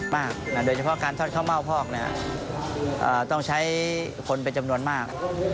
โดยเฉพาะการทอดข้าวเม่าพอกต้องใช้คนเป็นจำนวนมาก